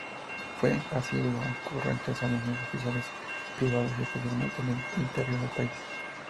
Fue asiduo concurrente a Salones oficiales y privados, especialmente en el interior del país.